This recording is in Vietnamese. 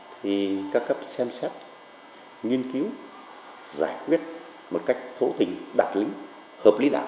thì các cấp xem xét nghiên cứu giải quyết một cách thổ tình đạt lý hợp lý đảm